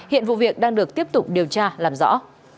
hiện vụ việc đang được tiếp tục điều tra làm rõ